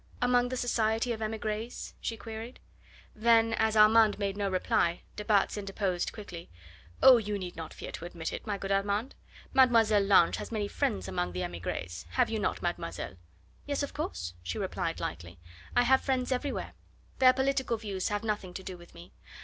"Among the society of emigres?" she queried. Then, as Armand made no reply, de Batz interposed quickly: "Oh! you need not fear to admit it, my good Armand; Mademoiselle Lange, has many friends among the emigres have you not, mademoiselle?" "Yes, of course," she replied lightly; "I have friends everywhere. Their political views have nothing to do with me.